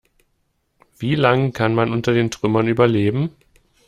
Wie lang kann man unter den Trümmern überleben?